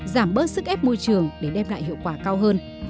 giảm bớt sức ép môi trường để đem lại hiệu quả cao hơn